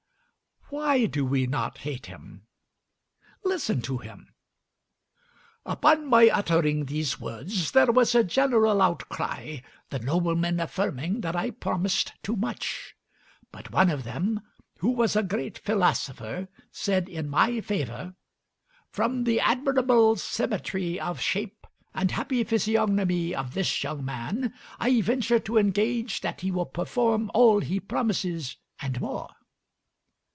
Why do we not hate him? Listen to him: "Upon my uttering these words, there was a general outcry, the noblemen affirming that I promised too much. But one of them, who was a great philosopher, said in my favor, 'From the admirable symmetry of shape and happy physiognomy of this young man, I venture to engage that he will perform all he promises, and more.'